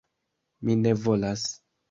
Mi ne volas!